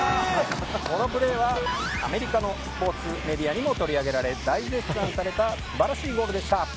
このプレーはアメリカのスポーツメディアにも取り上げられ大絶賛された素晴らしいゴールでした。